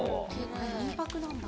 これ、民泊なんだ。